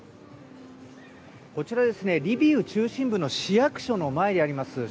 こちら、リビウ中心部の市役所の前にあります